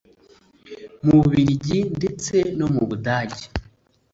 mu Bubiligi ndetse no mu Budage